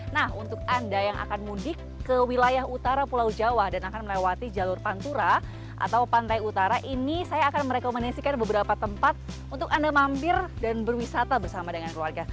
nah untuk anda yang akan mudik ke wilayah utara pulau jawa dan akan melewati jalur pantura atau pantai utara ini saya akan merekomendasikan beberapa tempat untuk anda mampir dan berwisata bersama dengan keluarga